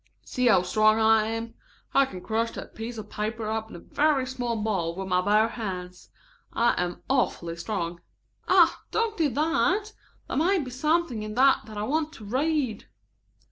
See how strong I am. I can crush that piece of paper up into a very small ball with my bare hands. I am awfully strong." "Oh, don't do that. There may be something in it that I want to read."